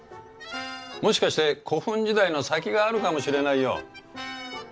もしかして古墳時代の先があるかもしれないよ。